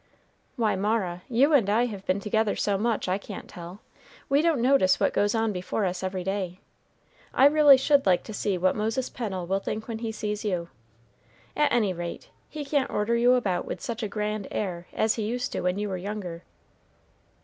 "Why, Mara, you and I have been together so much, I can't tell. We don't notice what goes on before us every day. I really should like to see what Moses Pennel will think when he sees you. At any rate, he can't order you about with such a grand air as he used to when you were younger."